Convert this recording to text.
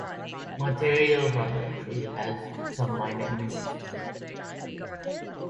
Material from the tree has some minor uses.